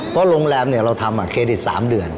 เพราะโรงแรมเราทำเครดิต๓เดือน